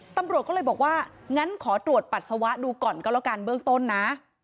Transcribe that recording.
ตำรวจก็เลยบอกว่างั้นขอตรวจปัสสาวะดูก่อนก็แล้วกันเบื้องต้นนะ